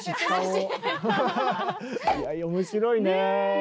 面白いね。